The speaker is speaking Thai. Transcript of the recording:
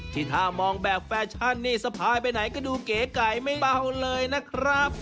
ที่ถ้ามองแบบแฟชั่นนี่สะพายไปไหนก็ดูเก๋ไก่ไม่เบาเลยนะครับ